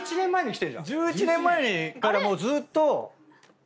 １１年前からもうずーっと。